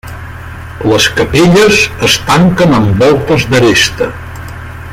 Les capelles es tanquen amb voltes d'aresta.